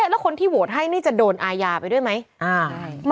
แล้วคนที่โหวตให้นี่จะโดนอาญาไปด้วยไหม